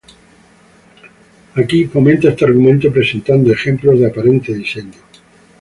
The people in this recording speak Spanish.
Aquí fomenta este argumento presentando ejemplos de aparente diseño.